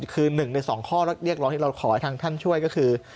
คือ๑ใน๒ข้อเรียกร้องที่เราขอให้ทางท่านช่วยก็คือ